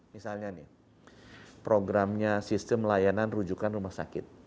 misalnya nih programnya sistem layanan rujukan rumah sakit